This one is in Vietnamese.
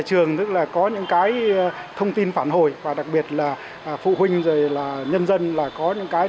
những nhà trường có những cái thông tin phản hồi và đặc biệt là phụ huynh nhân dân có những cái